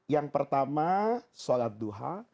yang pertama sholat duha